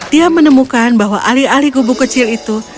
dia menemukan bahwa alih alih gubu kecil itu